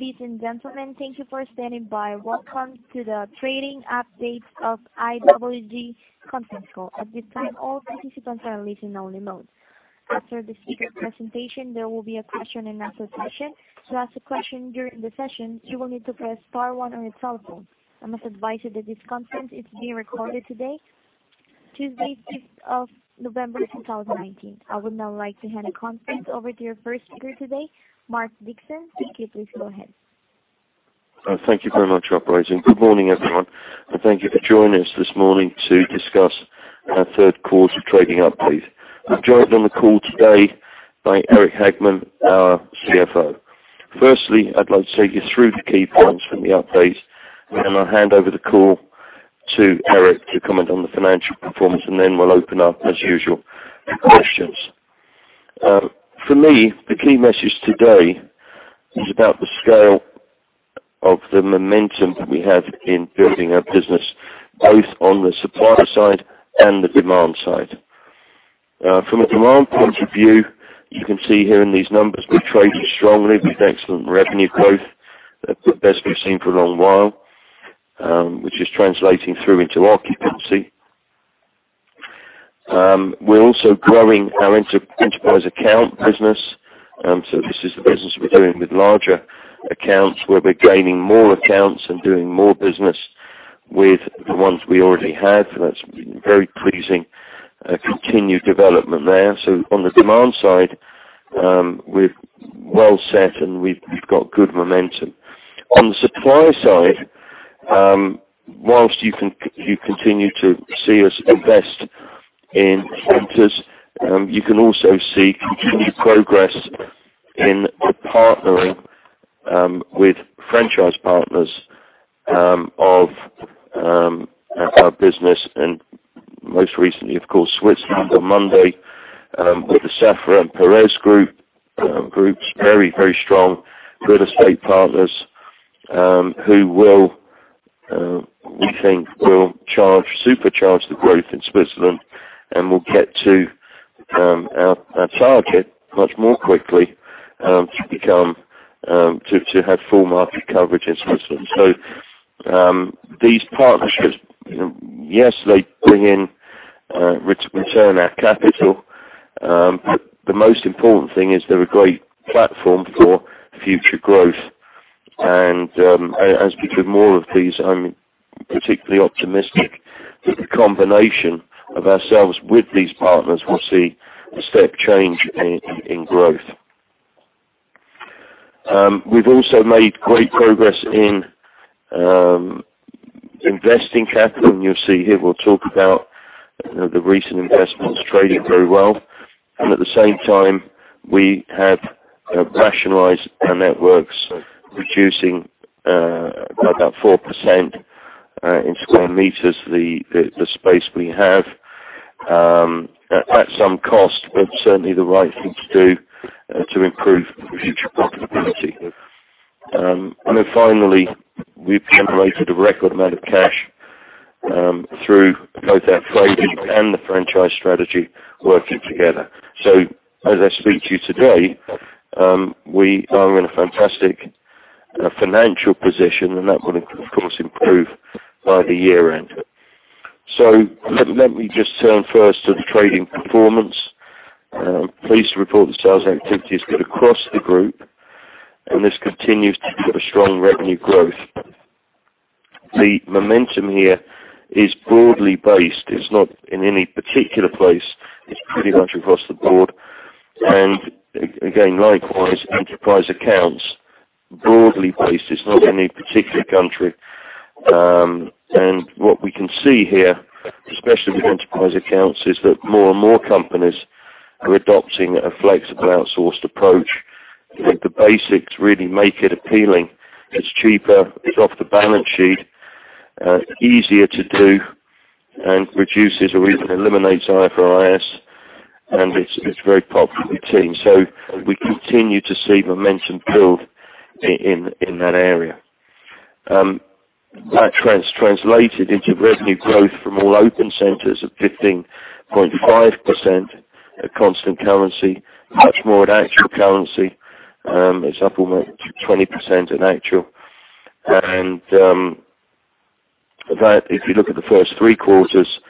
Ladies and gentlemen, thank you for standing by. Welcome to the trading update of IWG conference call. At this time, all participants are in listen-only mode. After the speaker presentation, there will be a question and answer session. To ask a question during the session, you will need to press star one on your telephone. I must advise you that this conference is being recorded today, Tuesday, 5th of November, 2019. I would now like to hand the conference over to your first speaker today, Mark Dixon. Sir, please go ahead. Thank you very much, operator. Good morning, everyone. Thank you for joining us this morning to discuss our third quarter trading update. I'm joined on the call today by Eric Hageman, our CFO. Firstly, I'd like to take you through the key points from the update, and then I'll hand over the call to Eric to comment on the financial performance, and then we'll open up, as usual, for questions. For me, the key message today is about the scale of the momentum that we have in building our business, both on the supplier side and the demand side. From a demand point of view, you can see here in these numbers, we're trading strongly with excellent revenue growth, the best we've seen for a long while, which is translating through into occupancy. We're also growing our enterprise account business. This is the business we're doing with larger accounts, where we're gaining more accounts and doing more business with the ones we already have. That's very pleasing, continued development there. On the demand side, we're well set and we've got good momentum. On the supply side, whilst you continue to see us invest in centers, you can also see continued progress in partnering with franchise partners of our business, and most recently, of course, Switzerland on Monday, with the Safra and Peress Groups. Very, very strong real estate partners, who we think will supercharge the growth in Switzerland and will get to our target much more quickly to have full market coverage in Switzerland. These partnerships, yes, they bring in return on our capital. The most important thing is they're a great platform for future growth. As we do more of these, I'm particularly optimistic that the combination of ourselves with these partners will see a step change in growth. We've also made great progress in investing capital. You'll see here, we'll talk about the recent investments trading very well. At the same time, we have rationalized our networks, reducing about 4% in sq m, the space we have, at some cost, but certainly the right thing to do to improve future profitability. Finally, we've generated a record amount of cash through both our trading and the franchise strategy working together. As I speak to you today, we are in a fantastic financial position, and that will, of course, improve by the year-end. Let me just turn first to the trading performance. Pleased to report that sales activity is good across the group, and this continues to deliver strong revenue growth. The momentum here is broadly based. It's not in any particular place, it's pretty much across the board. Again, likewise, enterprise accounts, broadly based, it's not any particular country. What we can see here, especially with enterprise accounts, is that more and more companies are adopting a flexible outsourced approach. I think the basics really make it appealing. It's cheaper, it's off the balance sheet, easier to do, and reduces or even eliminates IFRS, and it's very popular with teams. We continue to see momentum build in that area. That translated into revenue growth from all open centers of 15.5% at constant currency, much more at actual currency. It's up almost 20% in actual. That, if you look at the first three quarters,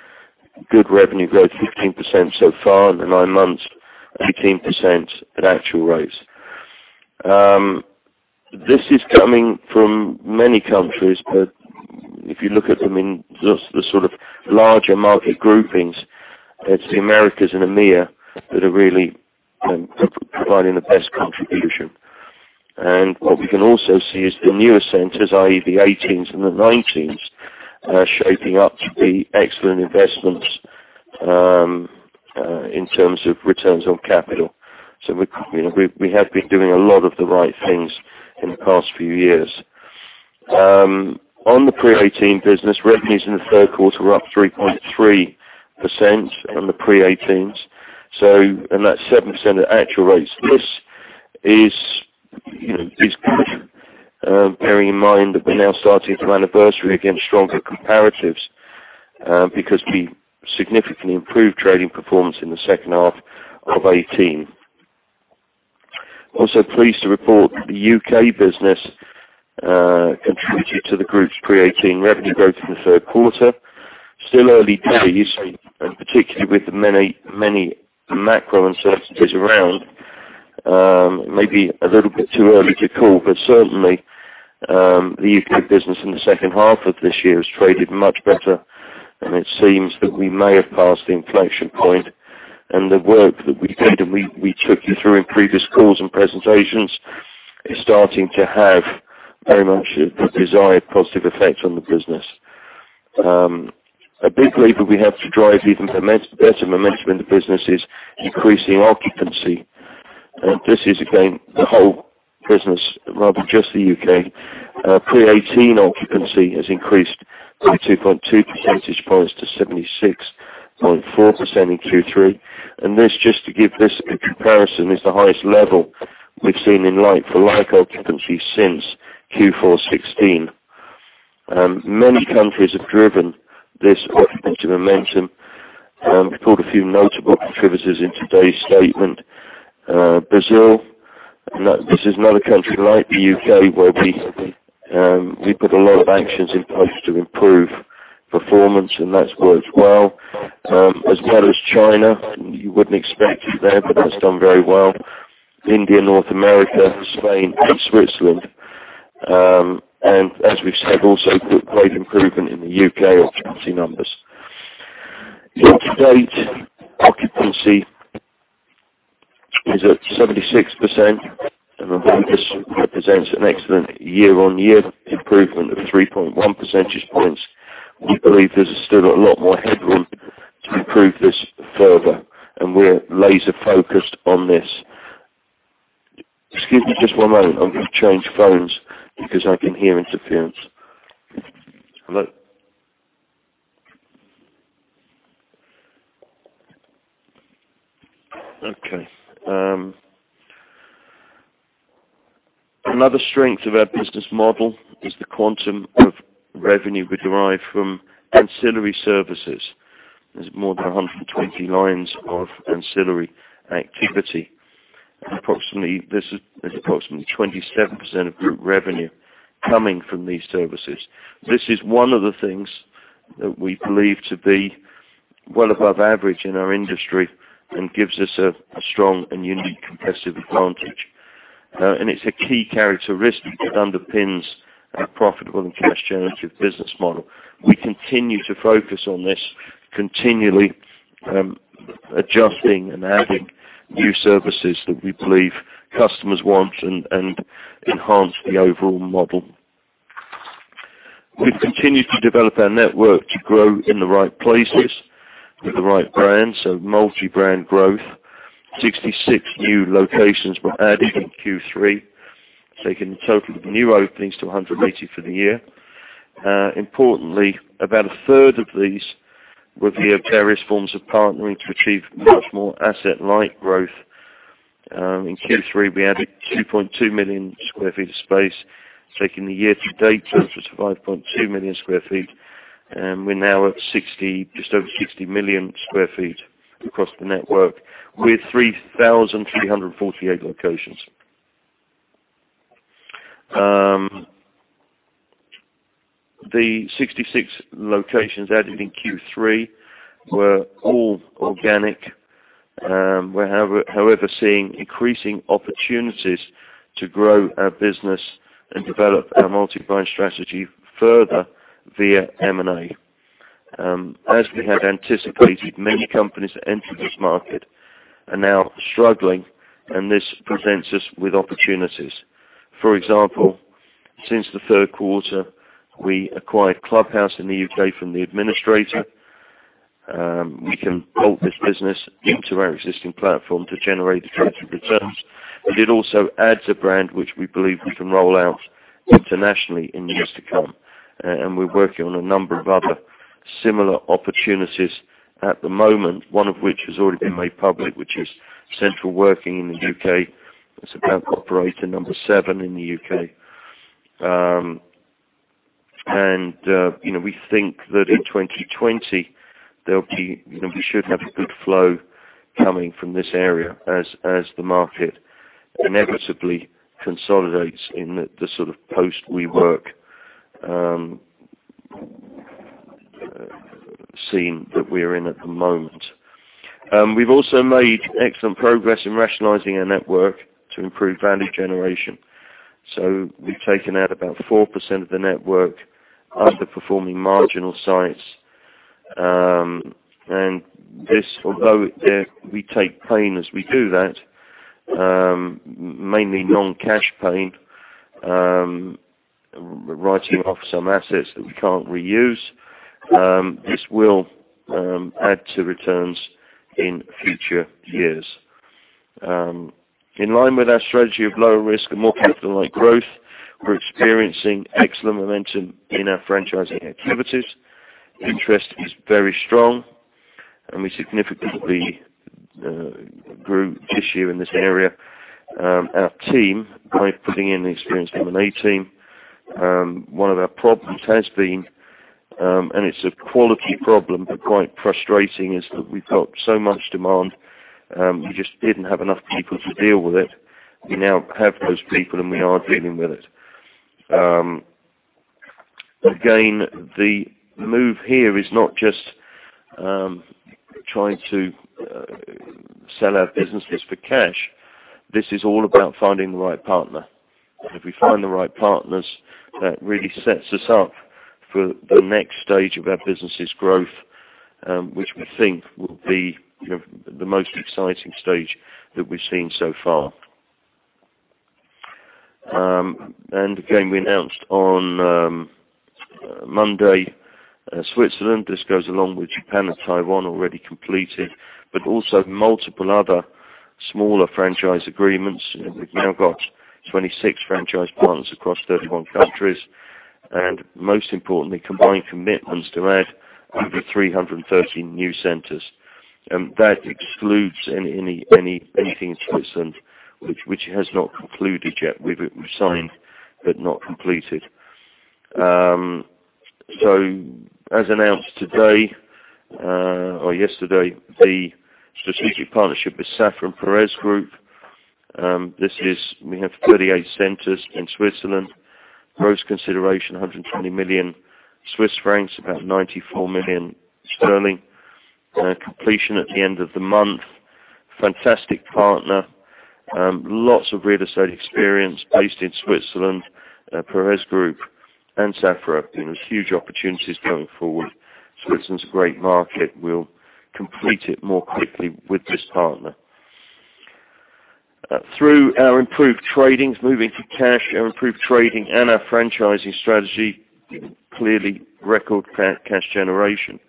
good revenue growth, 15% so far in the nine months, 18% at actual rates. This is coming from many countries, if you look at them in just the sort of larger market groupings, it's the Americas and EMEA that are really providing the best contribution. What we can also see is the newer centers, i.e., the 2018s and the 2019s, are shaping up to be excellent investments in terms of returns on capital. We have been doing a lot of the right things in the past few years. On the pre-2018 business, revenues in the third quarter were up 3.3% on the pre-2018s. That's 7% at actual rates. This is bearing in mind that we're now starting to anniversary against stronger comparatives because we significantly improved trading performance in the second half of 2018. Also pleased to report that the U.K. business contributed to the group's pre-2018 revenue growth in the third quarter. Still early days, and particularly with the many macro uncertainties around, maybe a little bit too early to call. Certainly, the U.K. business in the second half of this year has traded much better, and it seems that we may have passed the inflection point. The work that we did, and we took you through in previous calls and presentations, is starting to have very much the desired positive effect on the business. A big lever we have to drive even better momentum in the business is increasing occupancy. This is, again, the whole business rather than just the U.K. Pre-2018 occupancy has increased 2.2 percentage points to 76.4% in Q3. This, just to give this a comparison, is the highest level we've seen for like occupancy since Q4 2016. Many countries have driven this occupancy momentum. We called a few notable contributors in today's statement. Brazil. This is another country like the U.K., where we put a lot of actions in place to improve performance, and that's worked well. As well as China. You wouldn't expect it there, but that's done very well. India, North America, Spain, and Switzerland. As we've said, also great improvement in the U.K. occupancy numbers. Year-to-date occupancy is at 76%, and I think this represents an excellent year-on-year improvement of 3.1 percentage points. We believe there's still a lot more headroom to improve this further, and we're laser-focused on this. Excuse me just one moment. I'm going to change phones because I can hear interference. Hello. Okay. Another strength of our business model is the quantum of revenue we derive from ancillary services. There's more than 120 lines of ancillary activity. There's approximately 27% of group revenue coming from these services. This is one of the things that we believe to be well above average in our industry and gives us a strong and unique competitive advantage. It's a key characteristic that underpins our profitable and cash-generative business model. We continue to focus on this, continually adjusting and adding new services that we believe customers want and enhance the overall model. We've continued to develop our network to grow in the right places with the right brands, so multi-brand growth. 66 new locations were added in Q3, taking the total new openings to 180 for the year. Importantly, about a third of these were via various forms of partnering to achieve much more asset-light growth. In Q3, we added 2.2 million sq ft of space, taking the year-to-date totals to 5.2 million sq ft, and we're now at just over 60 million sq ft across the network, with 3,348 locations. The 66 locations added in Q3 were all organic. We're however seeing increasing opportunities to grow our business and develop our multi-brand strategy further via M&A. As we had anticipated, many companies that entered this market are now struggling, and this presents us with opportunities. For example, since the third quarter, we acquired The Clubhouse in the U.K. from the administrator. We can bolt this business into our existing platform to generate attractive returns, but it also adds a brand which we believe we can roll out internationally in the years to come. We're working on a number of other similar opportunities at the moment, one of which has already been made public, which is Central Working in the U.K. It's about operator number 7 in the U.K. We think that in 2020, we should have a good flow coming from this area as the market inevitably consolidates in the sort of post-WeWork scene that we're in at the moment. We've also made excellent progress in rationalizing our network to improve value generation. We've taken out about 4% of the network, underperforming marginal sites. This, although we take pain as we do that, mainly non-cash pain, writing off some assets that we can't reuse, this will add to returns in future years. In line with our strategy of lower risk and more capital-light growth, we're experiencing excellent momentum in our franchising activities. Interest is very strong. We significantly grew traction in this area. Our team, by putting in the experienced M&A team, one of our problems has been, and it's a quality problem, but quite frustrating, is that we've got so much demand, we just didn't have enough people to deal with it. We now have those people, and we are dealing with it. Again, the move here is not just trying to sell our businesses for cash. This is all about finding the right partner. If we find the right partners, that really sets us up for the next stage of our business' growth, which we think will be the most exciting stage that we've seen so far. Again, we announced on Monday, Switzerland, this goes along with Japan and Taiwan, already completed, but also multiple other smaller franchise agreements. We've now got 26 franchise partners across 31 countries, combined commitments to add over 330 new centers. That excludes anything in Switzerland which has not concluded yet. We've signed, but not completed. As announced today or yesterday, the strategic partnership with Safra and Peress Group. We have 38 centers in Switzerland. Gross consideration, 120 million Swiss francs, about 94 million sterling. Completion at the end of the month. Fantastic partner. Lots of real estate experience based in Switzerland. Peress Group and Safra, huge opportunities going forward. Switzerland is a great market. We'll complete it more quickly with this partner. Through our improved trading, moving to cash, our improved trading and our franchising strategy, clearly record cash generation.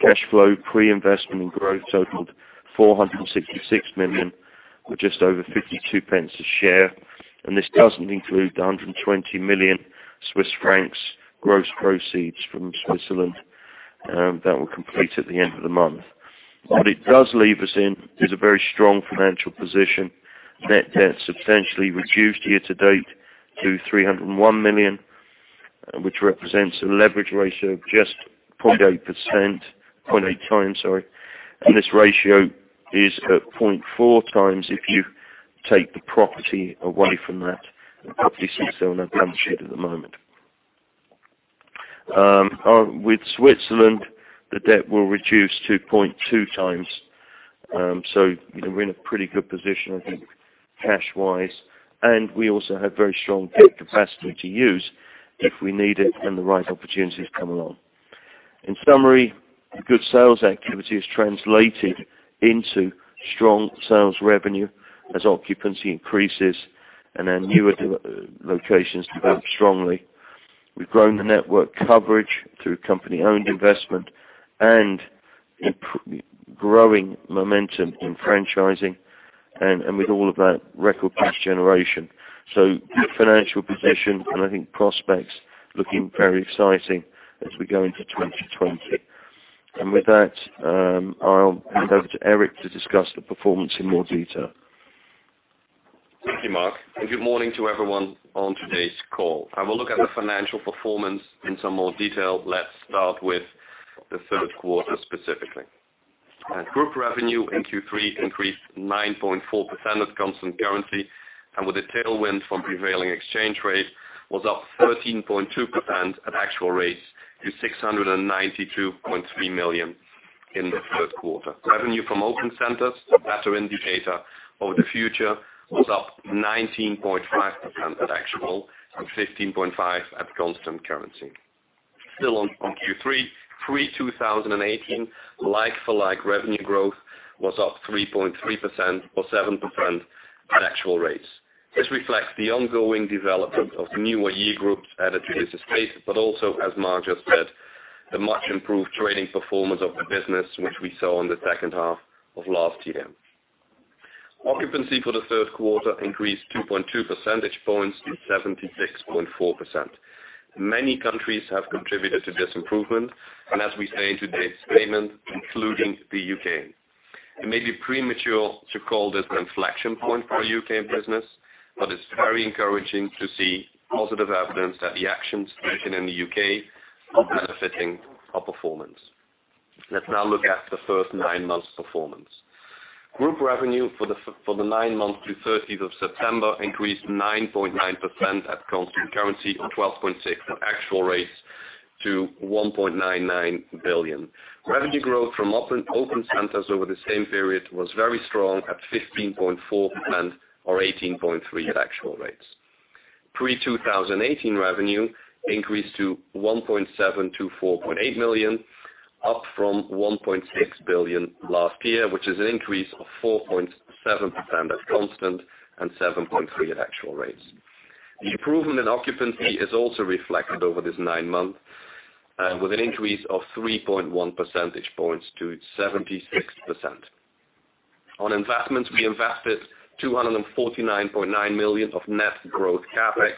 Cash flow, pre-investment and growth totaled 466 million, or just over 0.52 a share. This doesn't include the 120 million Swiss francs gross proceeds from Switzerland. That will complete at the end of the month. It does leave us in a very strong financial position. Net debt substantially reduced year to date to 301 million, which represents a leverage ratio of just 0.8%. 0.8 times, sorry. This ratio is at 0.4 times if you take the property away from that, the property CHF 60 on our balance sheet at the moment. With Switzerland, the debt will reduce to 2.2 times. We're in a pretty good position, I think, cash-wise, and we also have very strong debt capacity to use if we need it and the right opportunities come along. In summary, good sales activity is translated into strong sales revenue as occupancy increases and our newer locations develop strongly. We've grown the network coverage through company-owned investment and growing momentum in franchising, and with all of that, record cash generation. Good financial position, and I think prospects looking very exciting as we go into 2020. With that, I'll hand over to Eric to discuss the performance in more detail. Thank you, Mark, and good morning to everyone on today's call. I will look at the financial performance in some more detail. Let's start with the third quarter, specifically. Group revenue in Q3 increased 9.4% at constant currency, and with a tailwind from prevailing exchange rates, was up 13.2% at actual rates to 692.3 million in the third quarter. Revenue from open centers, a better indicator of the future, was up 19.5% at actual and 15.5% at constant currency. Still on Q3, pre-2018, like-for-like revenue growth was up 3.3% or 7% at actual rates. This reflects the ongoing development of newer year groups added to this space, but also, as Mark just said, the much improved trading performance of the business, which we saw in the second half of last year. Occupancy for the third quarter increased 2.2 percentage points to 76.4%. Many countries have contributed to this improvement, as we say in today's statement, including the U.K. It may be premature to call this an inflection point for our U.K. business, it's very encouraging to see positive evidence that the actions taken in the U.K. are benefiting our performance. Let's now look at the first nine months' performance. Group revenue for the nine months to 30th of September increased 9.9% at constant currency or 12.6% at actual rates to 1.99 billion. Revenue growth from open centers over the same period was very strong at 15.4% or 18.3% at actual rates. Pre-2018 revenue increased to 1,724.8 million, up from 1.6 billion last year, which is an increase of 4.7% at constant and 7.3% at actual rates. The improvement in occupancy is also reflected over these nine months, with an increase of 3.1 percentage points to 76%. On investments, we invested 249.9 million of net growth CapEx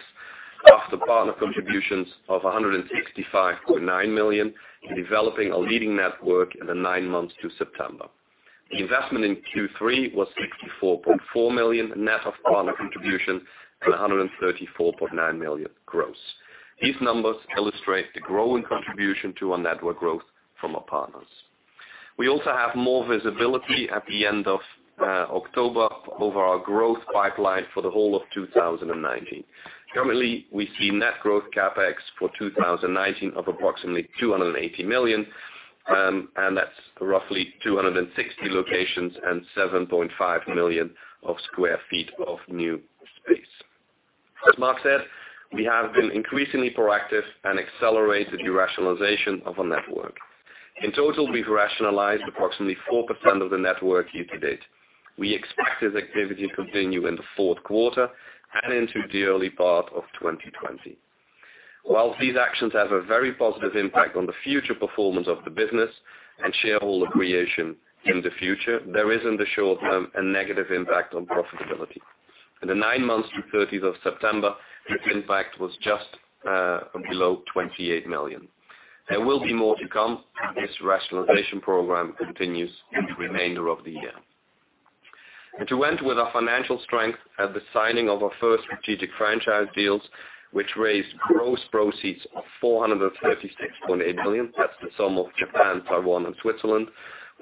after partner contributions of 165.9 million in developing a leading network in the nine months to September. The investment in Q3 was 64.4 million, net of partner contributions and 134.9 million gross. These numbers illustrate the growing contribution to our network growth from our partners. We also have more visibility at the end of October over our growth pipeline for the whole of 2019. Currently, we see net growth CapEx for 2019 of approximately 280 million, and that's roughly 260 locations and 7.5 million sq ft of new space. As Mark said, we have been increasingly proactive and accelerated the rationalization of our network. In total, we've rationalized approximately 4% of the network year to date. We expect this activity to continue in the fourth quarter and into the early part of 2020. While these actions have a very positive impact on the future performance of the business and shareholder creation in the future, there is in the short term a negative impact on profitability. In the nine months to 30th of September, the impact was just below 28 million. There will be more to come as this rationalization program continues in the remainder of the year. To end with our financial strength at the signing of our first strategic franchise deals, which raised gross proceeds of 436.8 million. That's the sum of Japan, Taiwan and Switzerland.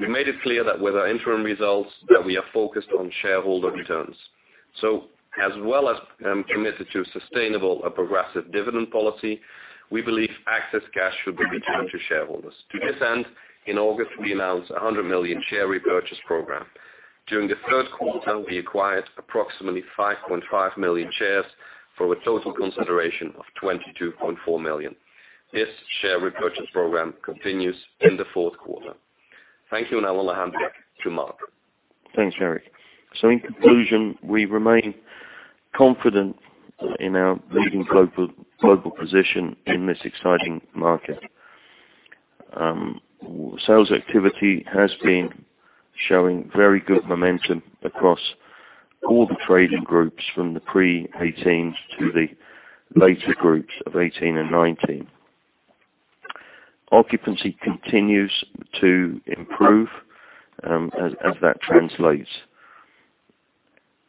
We made it clear that with our interim results that we are focused on shareholder returns. As well as committed to a sustainable and progressive dividend policy, we believe excess cash should be returned to shareholders. To this end, in August, we announced 100 million share repurchase program. During the third quarter, we acquired approximately 5.5 million shares for a total consideration of 22.4 million. This share repurchase program continues in the fourth quarter. Thank you, and I will hand back to Mark. Thanks, Eric. In conclusion, we remain confident in our leading global position in this exciting market. Sales activity has been showing very good momentum across all the trading groups from the pre 2018s to the later groups of 2018 and 2019. Occupancy continues to improve as that translates.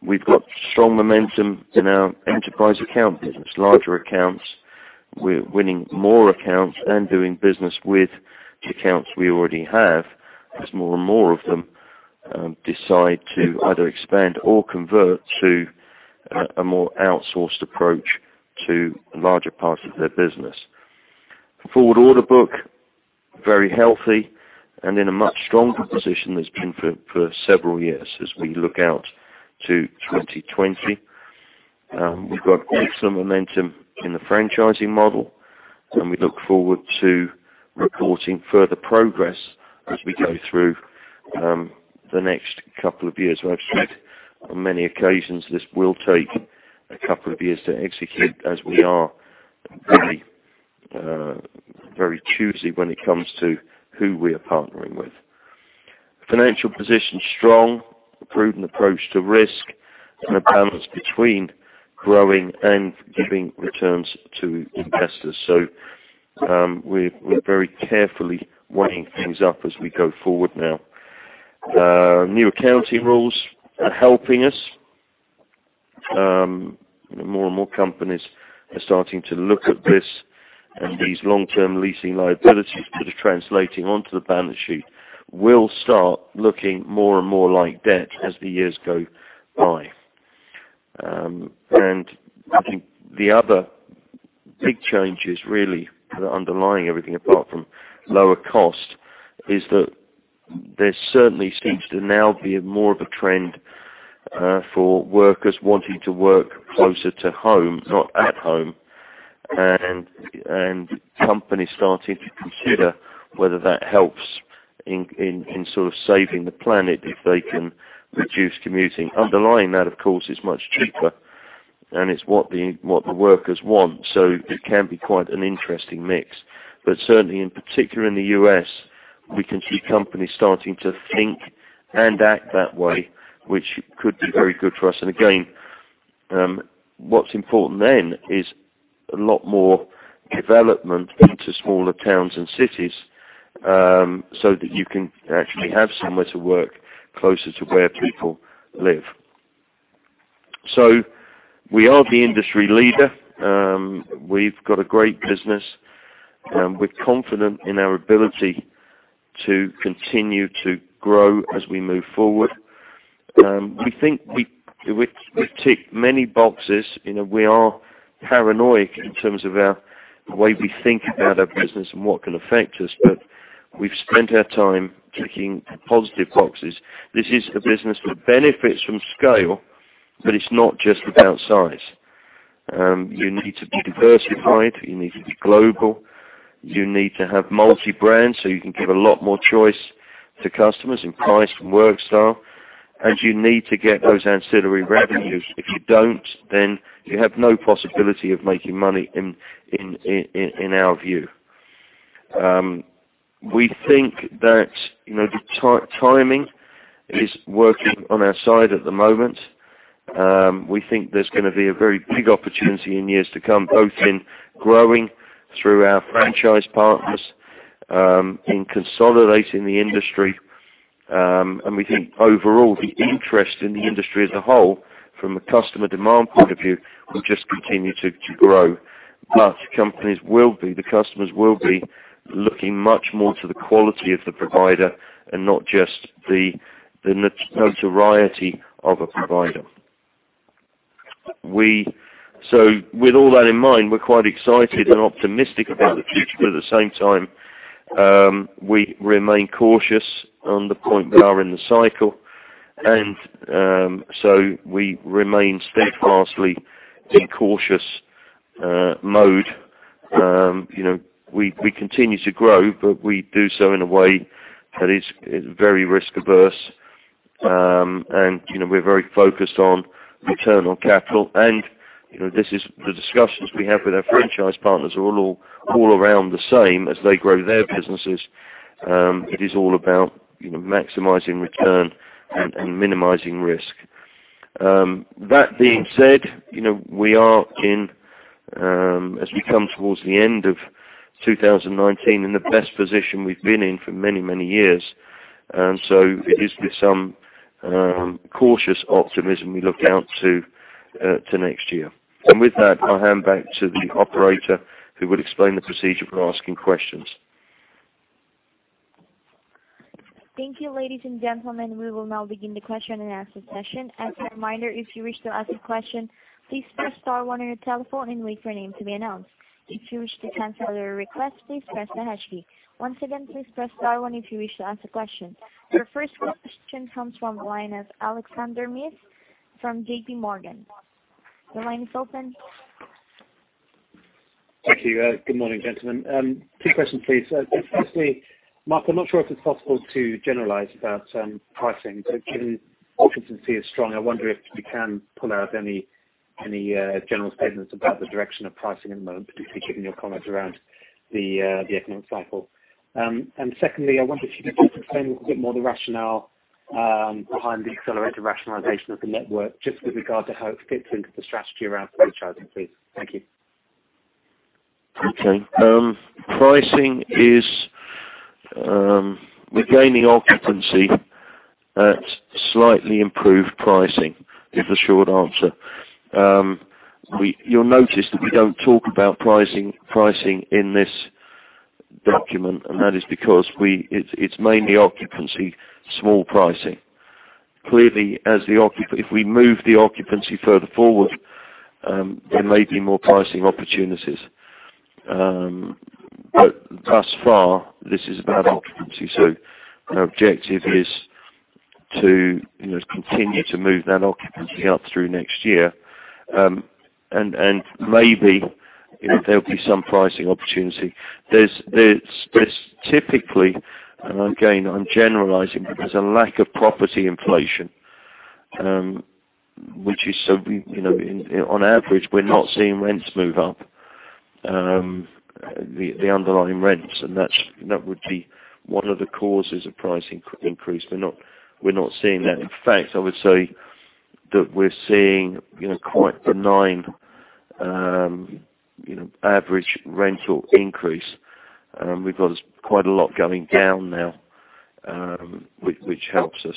We've got strong momentum in our enterprise account business, larger accounts. We're winning more accounts and doing business with the accounts we already have as more and more of them decide to either expand or convert to a more outsourced approach to a larger part of their business. Forward order book, very healthy and in a much stronger position than it's been for several years as we look out to 2020. We've got excellent momentum in the franchising model and we look forward to reporting further progress as we go through the next couple of years. I've said on many occasions, this will take a couple of years to execute as we are very choosy when it comes to who we are partnering with. Financial position is strong, a prudent approach to risk and a balance between growing and giving returns to investors. We're very carefully weighing things up as we go forward now. New accounting rules are helping us. More and more companies are starting to look at this and these long-term leasing liabilities that are translating onto the balance sheet will start looking more and more like debt as the years go by. I think the other big change is really that underlying everything apart from lower cost is that there certainly seems to now be more of a trend for workers wanting to work closer to home, not at home, and companies starting to consider whether that helps in sort of saving the planet if they can reduce commuting. Underlying that, of course, is much cheaper, and it's what the workers want. It can be quite an interesting mix. Certainly in particular in the U.S., we can see companies starting to think and act that way, which could be very good for us. Again, what's important then is a lot more development into smaller towns and cities, so that you can actually have somewhere to work closer to where people live. We are the industry leader. We've got a great business. We're confident in our ability to continue to grow as we move forward. We think we've ticked many boxes. We are paranoid in terms of our way we think about our business and what can affect us, but we've spent our time ticking positive boxes. This is a business that benefits from scale, but it's not just about size. You need to be diversified. You need to be global. You need to have multi-brands so you can give a lot more choice to customers in price and work style. You need to get those ancillary revenues. If you don't, then you have no possibility of making money in our view. We think that the timing is working on our side at the moment. We think there's going to be a very big opportunity in years to come, both in growing through our franchise partners, in consolidating the industry, and we think overall, the interest in the industry as a whole from a customer demand point of view, will just continue to grow. The customers will be looking much more to the quality of the provider and not just the notoriety of a provider. With all that in mind, we're quite excited and optimistic about the future. At the same time, we remain cautious on the point we are in the cycle. We remain steadfastly in cautious mode. We continue to grow, but we do so in a way that is very risk-averse. We're very focused on return on capital. The discussions we have with our franchise partners are all around the same as they grow their businesses. It is all about maximizing return and minimizing risk. That being said, as we come towards the end of 2019, in the best position we've been in for many, many years. It is with some cautious optimism we look out to next year. With that, I'll hand back to the operator, who will explain the procedure for asking questions. Thank you, ladies and gentlemen. We will now begin the question and answer session. As a reminder, if you wish to ask a question, please press star one on your telephone and wait for your name to be announced. If you wish to cancel your request, please press the hash key. Once again, please press star one if you wish to ask a question. Your first question comes from the line of Alexander Meeth from JP Morgan. Your line is open. Thank you. Good morning, gentlemen. Two questions, please. Firstly, Mark, I'm not sure if it's possible to generalize about pricing. Given occupancy is strong, I wonder if you can pull out any general statements about the direction of pricing at the moment, particularly given your comments around the economic cycle. Secondly, I wonder if you could just explain a little bit more the rationale behind the accelerated rationalization of the network, just with regard to how it fits into the strategy around franchising, please. Thank you. Okay. We're gaining occupancy at slightly improved pricing, is the short answer. You'll notice that we don't talk about pricing in this document, That is because it's mainly occupancy, small pricing. Clearly, if we move the occupancy further forward, there may be more pricing opportunities. Thus far, this is about occupancy. Our objective is to continue to move that occupancy up through next year. Maybe there'll be some pricing opportunity. There's typically, again, I'm generalizing, There's a lack of property inflation. On average, we're not seeing rents move up, the underlying rents, That would be one of the causes of pricing increase. We're not seeing that. In fact, I would say that we're seeing quite benign average rental increase. We've got quite a lot going down now, which helps us.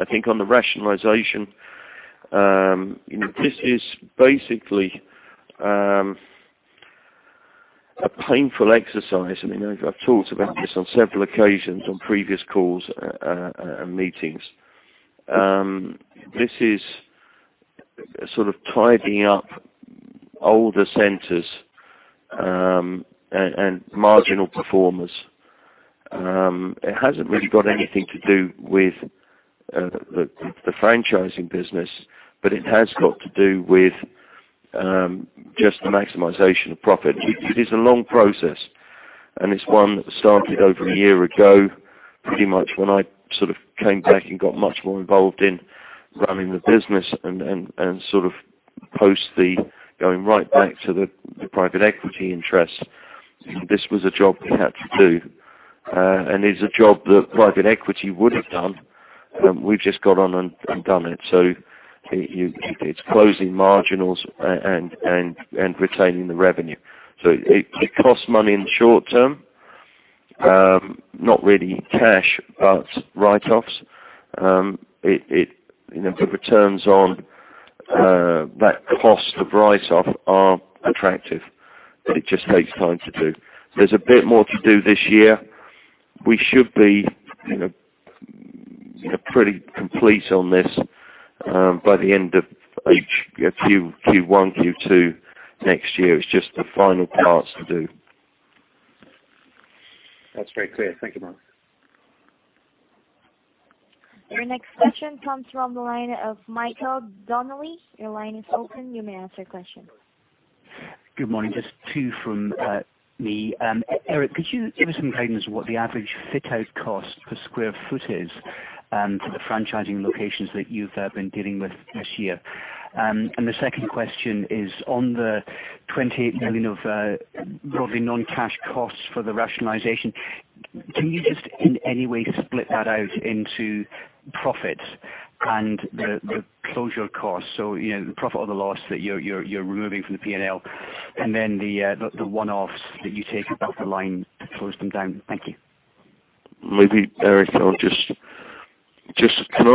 I think on the rationalization, this is basically a painful exercise, and I've talked about this on several occasions on previous calls and meetings. This is sort of tidying up older centers and marginal performers. It hasn't really got anything to do with the franchising business, but it has got to do with just the maximization of profit. It is a long process, and it's one that started over a year ago, pretty much when I sort of came back and got much more involved in running the business and sort of post the going right back to the private equity interest. This was a job we had to do, and it's a job that private equity would have done. We've just got on and done it. It's closing marginals and retaining the revenue. It costs money in the short term, not really in cash, but write-offs. The returns on that cost of write-off are attractive. It just takes time to do. There's a bit more to do this year. We should be pretty complete on this by Q1, Q2 next year. It's just the final parts to do. That's very clear. Thank you, Mark. Your next question comes from the line of Michael Donnelly. Your line is open. You may ask your question. Good morning. Just two from me. Eric, could you give us some guidance what the average fit-out cost per square foot is for the franchising locations that you've been dealing with this year? The second question is on the 28 million of broadly non-cash costs for the rationalization. Can you just, in any way, split that out into profits and the closure costs? So, the profit or the loss that you're removing from the P&L, and then the one-offs that you take above the line to close them down. Thank you. Maybe, Erik, can I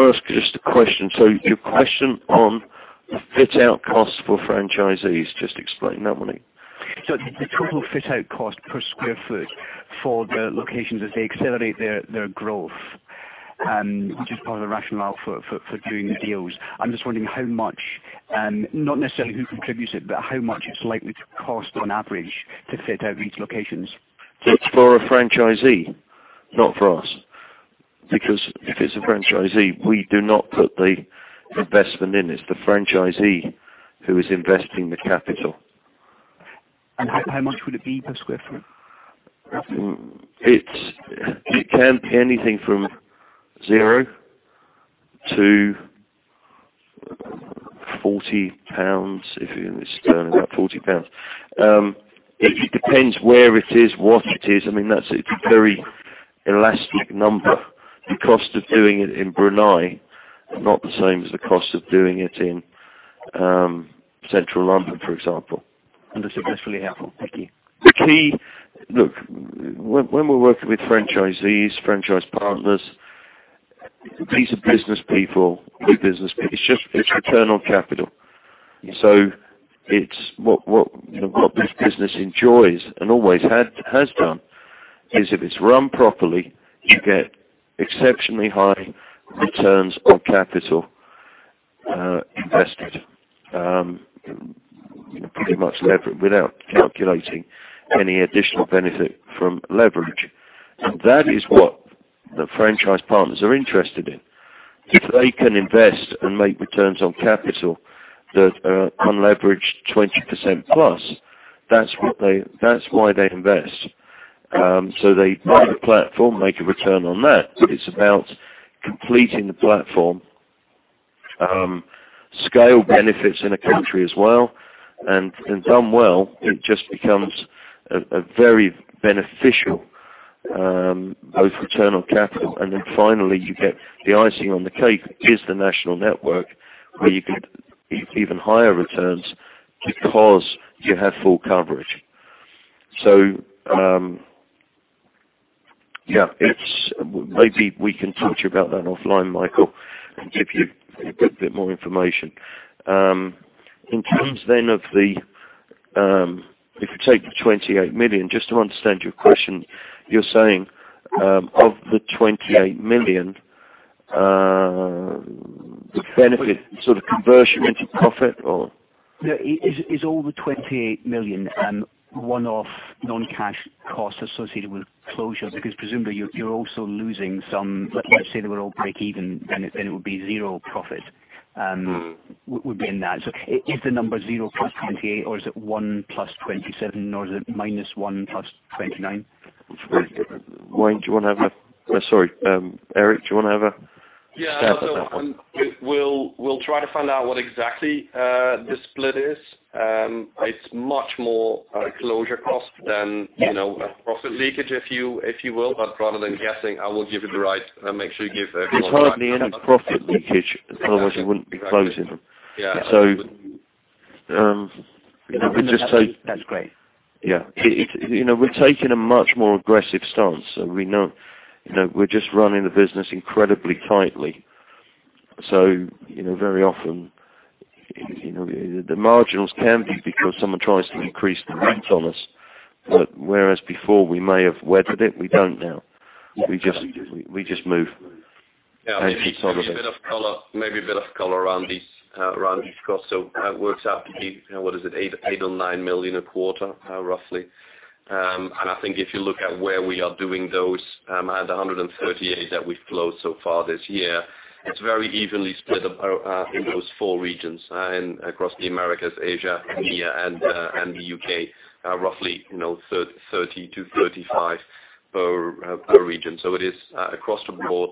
ask just a question? Your question on the fit-out costs for franchisees, just explain that one again. The total fit-out cost per square foot for the locations as they accelerate their growth, which is part of the rationale for doing the deals. I'm just wondering how much, not necessarily who contributes it, but how much it's likely to cost on average to fit out these locations. It's for a franchisee, not for us. If it's a franchisee, we do not put the investment in. It's the franchisee who is investing the capital. How much would it be per square foot? It can be anything from zero to 40 pounds. It's around about 40 pounds. It depends where it is, what it is. That's a very elastic number. The cost of doing it in Brunei, not the same as the cost of doing it in Central London, for example. Understood. That's really helpful. Thank you. When we're working with franchisees, franchise partners, these are business people. It's return on capital. What this business enjoys and always has done is, if it's run properly, you get exceptionally high returns on capital invested. Pretty much without calculating any additional benefit from leverage. That is what the franchise partners are interested in. If they can invest and make returns on capital that are unleveraged 20% plus, that's why they invest. They buy the platform, make a return on that. It's about completing the platform, scale benefits in a country as well, done well, it just becomes very beneficial, both return on capital. Finally, you get the icing on the cake is the national network, where you get even higher returns because you have full coverage. Maybe we can talk to you about that offline, Michael, and give you a good bit more information. In terms, if you take the 28 million, just to understand your question, you're saying, of the 28 million, the benefit, sort of conversion into profit, or? No. Is all the 28 million one-off non-cash costs associated with closures? Presumably, you're also losing some, let's say they were all break even, then it would be zero profit would be in that. Is the number zero plus 28 or is it one plus 27 or is it minus one plus 29? Sorry. Erik, do you want to have a stab at that one? Yeah. We'll try to find out what exactly the split is. It's much more a closure cost than a profit leakage, if you will. Rather than guessing, make sure you give everyone the right. It's hardly any profit leakage. Otherwise, you wouldn't be closing them. Yeah. We're just. That's great. We've taken a much more aggressive stance, so we know. We're just running the business incredibly tightly. Very often, the margins can be because someone tries to increase the rent on us. Whereas before we may have weathered it, we don't now. We just move. Yeah. Maybe a bit of color around these costs. It works out to be, what is it? 8 or 9 million a quarter, roughly. I think if you look at where we are doing those, and the 138 that we've closed so far this year, it's very evenly split in those four regions, and across the Americas, Asia, EMEA, and the U.K., roughly 30-35 per region. It is across the board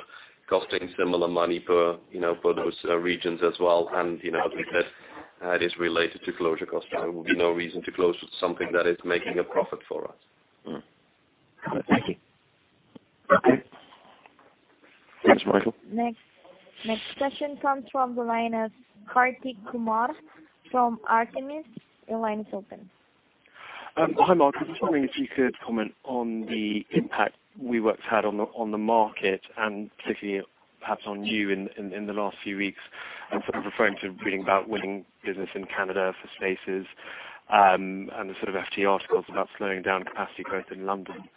costing similar money per those regions as well. As we said, it is related to closure costs. There will be no reason to close something that is making a profit for us. Thank you. Okay. Thanks, Michael. Next question comes from the line of Kartik Kumar from Artemis. Your line is open. Hi, Michael. I was just wondering if you could comment on the impact WeWork's had on the market, and particularly perhaps on you in the last few weeks. Sort of referring to reading about winning business in Canada for Spaces, and the sort of FT articles about slowing down capacity growth in London.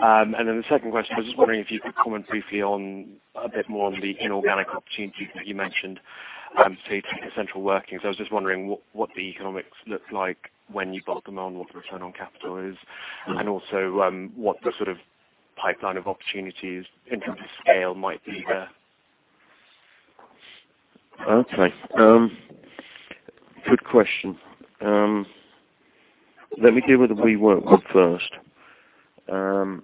The second question, I was just wondering if you could comment briefly on a bit more on the inorganic opportunities that you mentioned, say, taking Central Working. I was just wondering what the economics look like when you bought them and what the return on capital is, and also, what the sort of pipeline of opportunities in terms of scale might be there. Okay. Good question. Let me deal with the WeWork one first. WeWork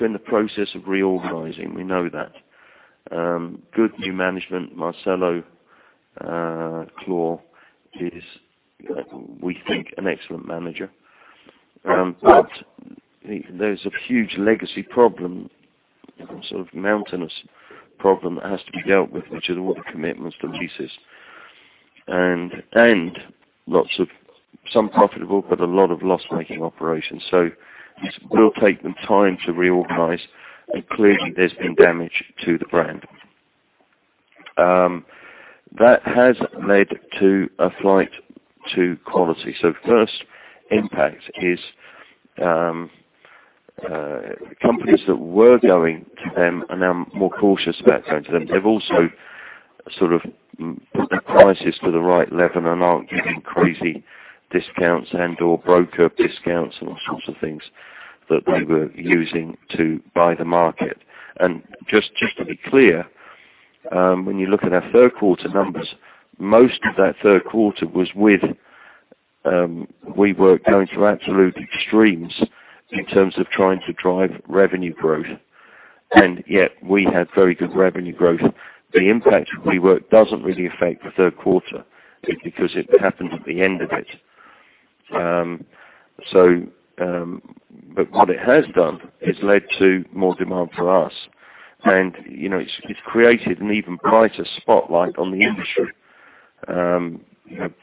are in the process of reorganizing. We know that. Good new management, Marcelo Claure is, we think, an excellent manager. There's a huge legacy problem, sort of mountainous problem that has to be dealt with, which is all the commitments from leases and lots of some profitable but a lot of loss-making operations. It will take them time to reorganize, and clearly there's been damage to the brand. That has led to a flight to quality. First impact is companies that were going to them are now more cautious about going to them. They've also sort of put the prices to the right level and aren't giving crazy discounts and/or broker discounts and all sorts of things that they were using to buy the market. Just to be clear, when you look at our third quarter numbers, most of that third quarter was with WeWork going through absolute extremes in terms of trying to drive revenue growth, and yet we had very good revenue growth. The impact of WeWork doesn't really affect the third quarter because it happened at the end of it. What it has done is led to more demand for us, and it's created an even brighter spotlight on the industry.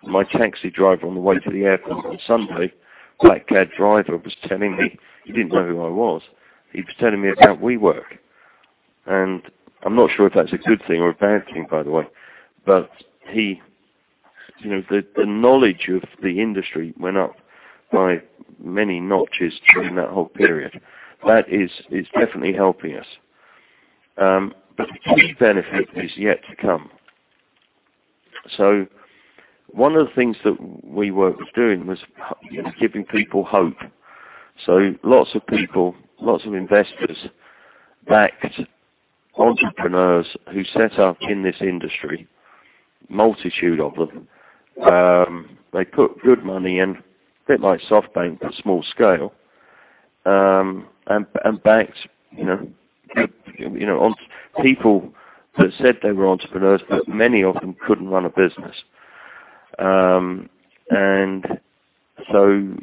My taxi driver on the way to the airport on Sunday, black cab driver, was telling me, he didn't know who I was. He was telling me about WeWork, and I'm not sure if that's a good thing or a bad thing, by the way. The knowledge of the industry went up by many notches during that whole period. That is definitely helping us. The key benefit is yet to come. One of the things that WeWork was doing was giving people hope. Lots of people, lots of investors backed entrepreneurs who set up in this industry, multitude of them. They put good money in, bit like SoftBank, but small scale and backed people that said they were entrepreneurs, but many of them couldn't run a business.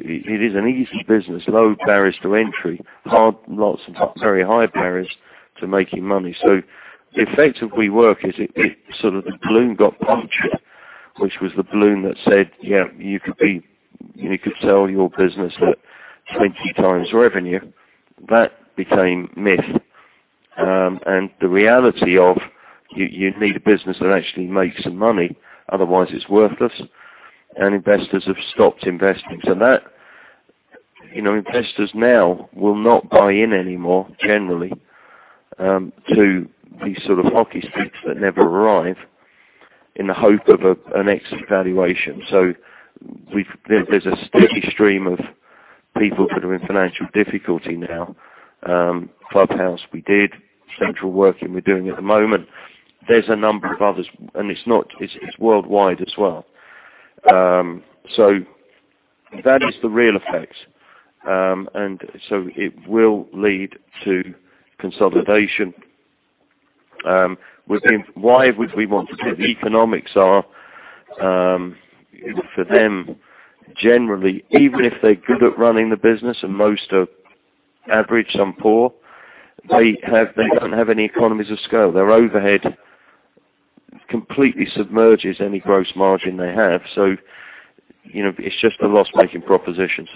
It is an easy business, low barriers to entry, hard lots and very high barriers to making money. The effect of WeWork is it sort of the balloon got punctured, which was the balloon that said, yeah, you could sell your business at 20x revenue. That became myth. The reality of you need a business that actually makes money, otherwise it's worthless, and investors have stopped investing. Investors now will not buy in anymore, generally, to these sort of hockey sticks that never arrive in the hope of an exit valuation. There's a steady stream of people that are in financial difficulty now. Clubhouse we did, Central Working we're doing at the moment. There's a number of others, and it's worldwide as well. That is the real effect, and it will lead to consolidation. Why would we want to do it? The economics are for them, generally, even if they're good at running the business, and most are average, some poor, they don't have any economies of scale. Their overhead completely submerges any gross margin they have. It's just a loss-making proposition.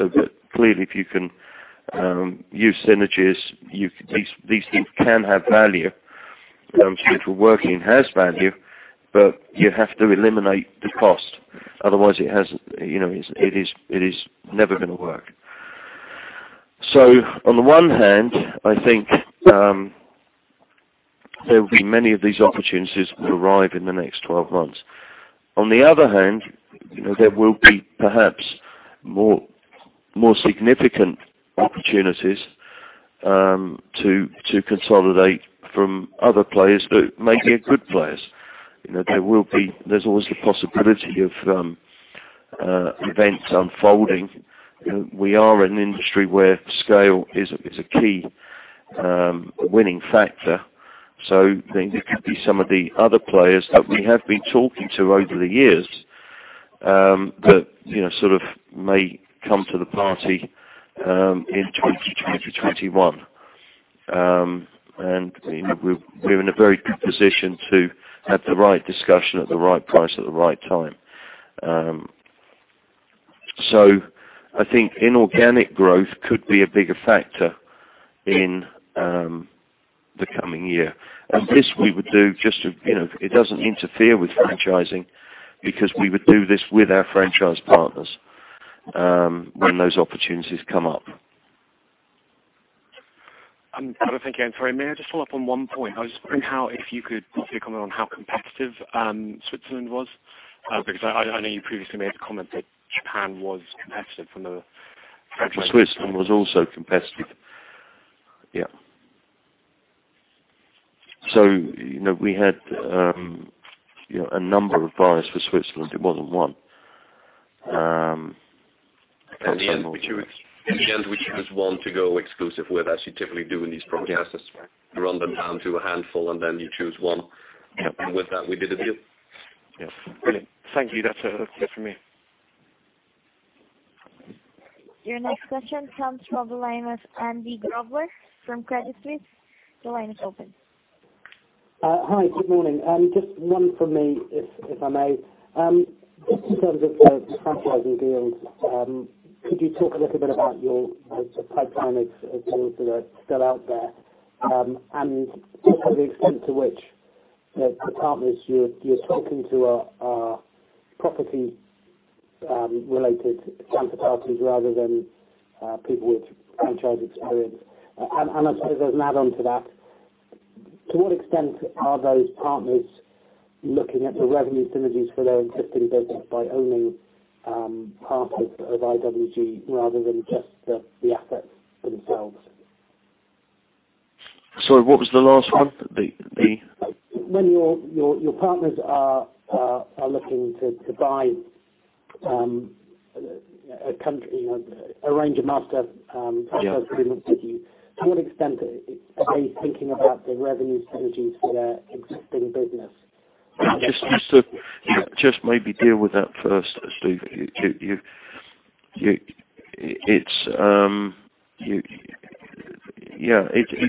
Clearly, if you can use synergies, these things can have value. Central Working has value, but you have to eliminate the cost, otherwise it is never going to work. On the one hand, I think there will be many of these opportunities that will arrive in the next 12 months. On the other hand, there will be perhaps more significant opportunities to consolidate from other players that may be good players. There's always the possibility of events unfolding. We are an industry where scale is a key winning factor. It could be some of the other players that we have been talking to over the years that sort of may come to the party in 2021. We're in a very good position to have the right discussion at the right price at the right time. I think inorganic growth could be a bigger factor in the coming year. This we would do. It doesn't interfere with franchising because we would do this with our franchise partners when those opportunities come up. Mark, thank you. Sorry, may I just follow up on one point? I was wondering how, if you could give your comment on how competitive Switzerland was, because I know you previously made a comment that Japan was competitive from the franchise-? Switzerland was also competitive. We had a number of buyers for Switzerland. It wasn't one. In the end, we choose one to go exclusive with, as you typically do in these processes. You run them down to a handful, and then you choose one. With that, we did a deal. Yes. Brilliant. Thank you. That's it from me. Your next question comes from the line of Andy Grobler from Credit Suisse. The line is open. Hi, good morning. Just one from me, if I may. Just in terms of the franchising deals, could you talk a little bit about your pipeline of deals that are still out there, and just the extent to which the partners you're talking to are property-related counter parties rather than people with franchise experience? I suppose there's an add-on to that. To what extent are those partners looking at the revenue synergies for their existing business by owning parts of IWG rather than just the assets themselves? Sorry, what was the last one? When your partners are looking to buy a range of. Yeah franchise agreements with you, to what extent are they thinking about the revenue synergies for their existing business? To maybe deal with that first, Steve. It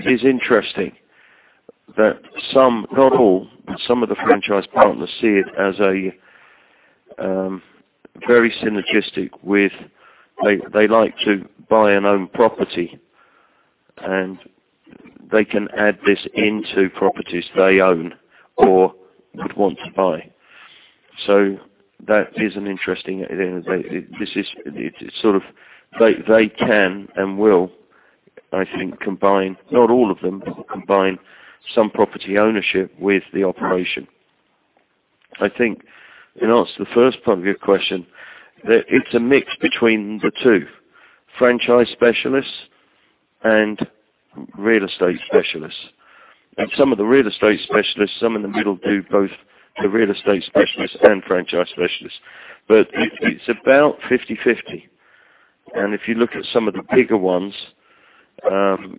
is interesting that some, not all, but some of the franchise partners see it as very synergistic with They like to buy and own property, and they can add this into properties they own or would want to buy. That is an interesting area. They can and will, I think, combine, not all of them, but combine some property ownership with the operation. I think, in answer to the first part of your question, that it's a mix between the two, franchise specialists and real estate specialists. Some of the real estate specialists, some in the middle, do both the real estate specialists and franchise specialists. It's about 50/50. If you look at some of the bigger ones,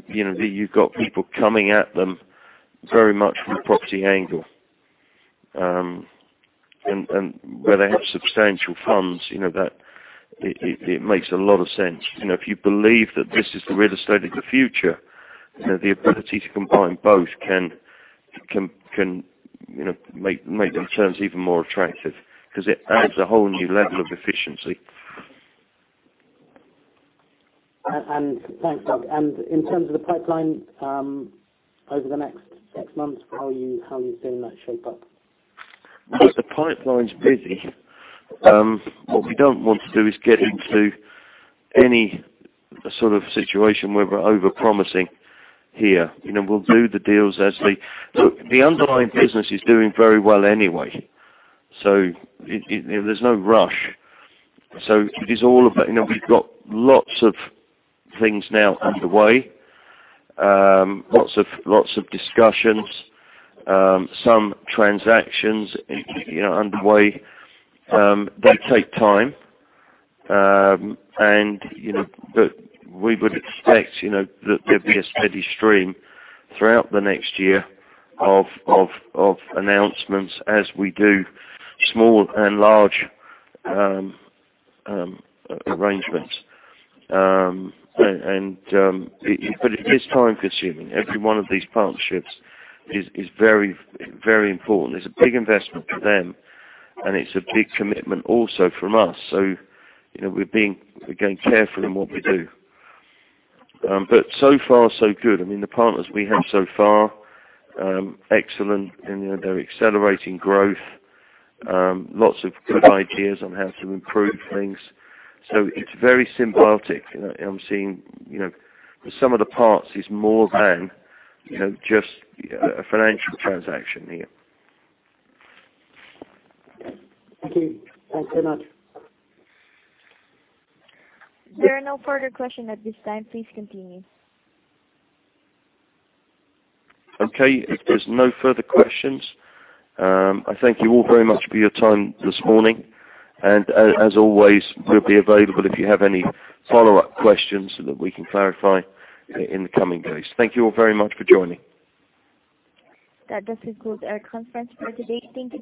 you've got people coming at them very much from a property angle. Where they have substantial funds, it makes a lot of sense. If you believe that this is the real estate of the future, the ability to combine both can make the terms even more attractive because it adds a whole new level of efficiency. Thanks, Doug. In terms of the pipeline, over the next six months, how are you seeing that shape up? Look, the pipeline's busy. What we don't want to do is get into any sort of situation where we're over-promising here. Look, the underlying business is doing very well anyway, so there's no rush. We've got lots of things now underway. Lots of discussions, some transactions underway. They take time. We would expect that there'll be a steady stream throughout the next year of announcements as we do small and large arrangements. It is time-consuming. Every one of these partnerships is very important. It's a big investment for them, and it's a big commitment also from us, so we're being careful in what we do. So far, so good. The partners we have so far, excellent. They're accelerating growth. Lots of good ideas on how to improve things. It's very symbiotic. I'm seeing the sum of the parts is more than just a financial transaction here. Thank you. Thanks very much. There are no further questions at this time. Please continue. Okay. If there's no further questions, I thank you all very much for your time this morning. As always, we'll be available if you have any follow-up questions that we can clarify in the coming days. Thank you all very much for joining. That does conclude our conference for today. Thank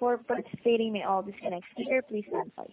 you for participating. You may all disconnect at this time. Please stand by.